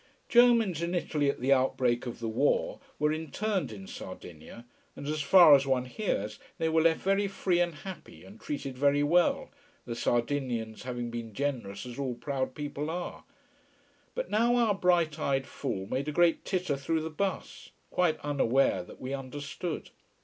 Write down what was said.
Germans in Italy at the outbreak of the war were interned in Sardinia, and as far as one hears, they were left very free and happy, and treated very well, the Sardinians having been generous as all proud people are. But now our bright eyed fool made a great titter through the bus: quite unaware that we understood.